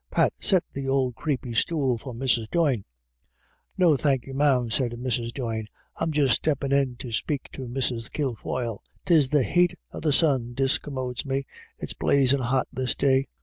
Pat, set the ould creepy stool for Mrs. Doyne." " No, thank you, ma'am," said Mrs. Doyne, * I'm just steppin' in to spake to Mrs. Kilfoyle. 'Tis the hate of the sun discommodes me ; it's blazin' hot this day."